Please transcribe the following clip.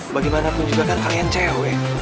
bagaimanapun juga kan kalian cewek